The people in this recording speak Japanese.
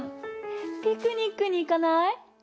ピクニックにいかない？